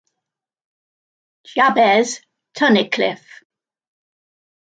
Jabez Tunnicliff.